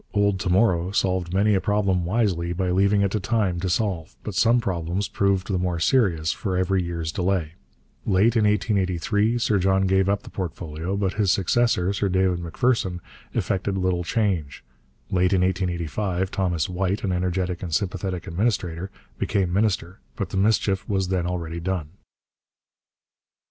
'Old To Morrow' solved many a problem wisely by leaving it to time to solve, but some problems proved the more serious for every year's delay. Late in 1883 Sir John gave up the portfolio, but his successor, Sir David Macpherson, effected little change. Late in 1885 Thomas White, an energetic and sympathetic administrator, became minister, but the mischief was then already done.